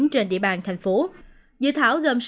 trên địa bàn thành phố